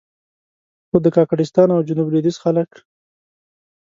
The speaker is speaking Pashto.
خو د کاکړستان او جنوب لوېدیځ خلک.